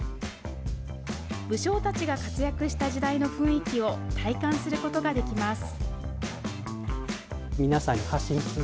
武将たちが活躍した時代の雰囲気を体感することができます。